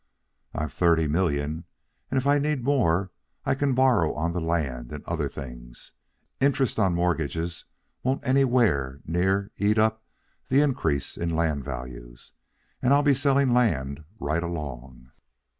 "I've thirty million, and if I need more I can borrow on the land and other things. Interest on mortgages won't anywhere near eat up the increase in land values, and I'll be selling land right along."